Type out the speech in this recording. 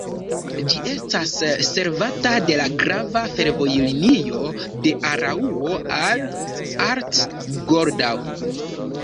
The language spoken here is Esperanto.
Ĝi estas servata de la grava fervojlinio de Araŭo al Arth-Goldau.